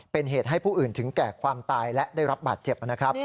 เป็นเหตุให้ผู้อื่นถึงแก่ความตายและได้รับบาดเจ็บนะครับ